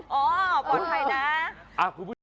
อ๋อปลอดภัยนะ